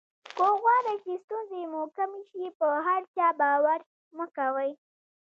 که غواړی چې ستونزې مو کمې شي په هر چا باور مه کوئ.